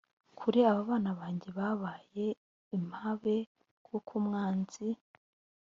kure abana banjye babaye impabe kuko umwanzi